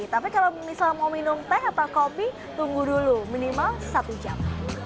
tapi kalau misalnya mau minum teh atau kopi tunggu dulu minimal satu jam